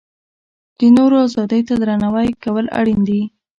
د نورو ازادۍ ته درناوی کول اړین دي.